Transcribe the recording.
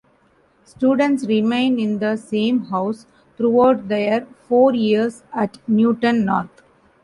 Students remain in the same house throughout their four years at Newton North.